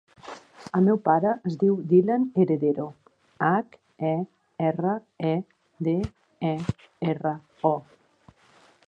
El meu pare es diu Dylan Heredero: hac, e, erra, e, de, e, erra, o.